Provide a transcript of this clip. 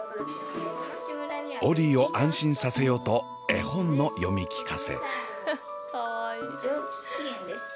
オリィを安心させようと絵本の読み聞かせ。